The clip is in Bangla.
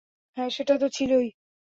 হ্যাঁ সেটা তো ছিলোই।